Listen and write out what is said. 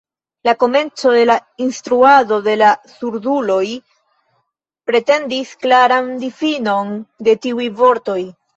La komenco de la instruado de la surduloj pretendis klaran difinon de tiuj vortoj.